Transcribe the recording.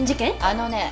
あのね